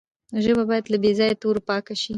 ژبه باید له بې ځایه تورو پاکه سي.